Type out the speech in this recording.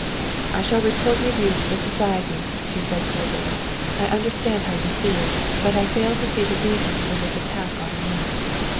"I shall report your view to the society," she said coldly. "I understand how you feel, but I fail to see the reason for this attack on me."